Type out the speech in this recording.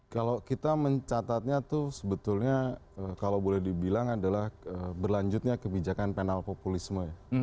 kalau kita mencatatnya itu sebetulnya kalau boleh dibilang adalah berlanjutnya kebijakan penal populisme